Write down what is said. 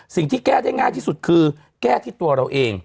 แก้ได้ง่ายที่สุดคือแก้ที่ตัวเราเอง